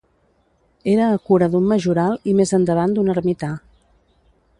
Era a cura d'un majoral i més endavant d'un ermità.